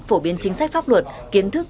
phổ biến chính sách pháp luật kiến thức